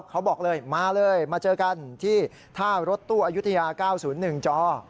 เขาบอกเลยมาเลยมาเจอกันที่ท่ารถตู้อายุทยา๙๐๑จอ